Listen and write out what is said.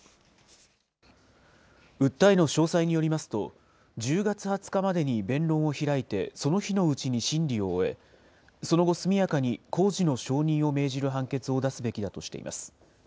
訴えの詳細によりますと、１０月２０日までに弁論を開いて、その日のうちに審理を終え、その後、速やかに工事の承認を命じる判決を出すべきだとしています。